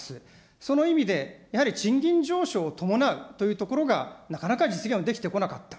その意味で、やはり賃金上昇を伴うというところが、なかなか実現できてこなかった。